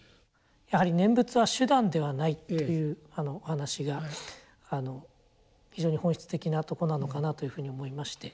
やはり念仏は手段ではないっていうお話が非常に本質的なとこなのかなというふうに思いまして。